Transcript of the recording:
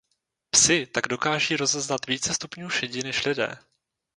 Psi tak dokáží rozeznat více stupňů šedi než lidé.